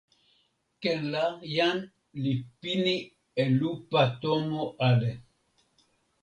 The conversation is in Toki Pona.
ken la jan li pini e lupa tomo ale.